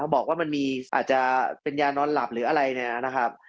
บอกว่ามันมีแนวนอนหลับหรืออะไรนะครับ